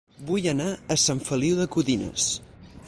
Vull anar a Sant Feliu de Codines